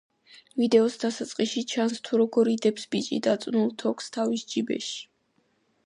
ვიდეოს დასაწყისში ჩანს, თუ როგორ იდებს ბიჭი დაწნულ თოკს თავის ჯიბეში.